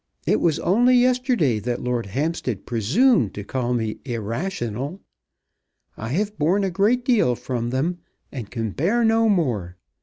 It was only yesterday that Lord Hampstead presumed to call me irrational. I have borne a great deal from them, and can bear no more.